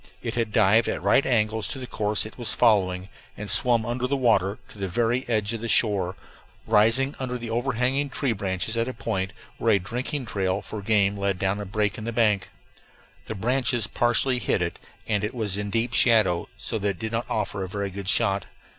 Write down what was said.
It had dived at right angles to the course it was following and swum under water to the very edge of the shore, rising under the overhanging tree branches at a point where a drinking trail for game led down a break in the bank. The branches partially hid it, and it was in deep shadow, so that it did not offer a very good shot.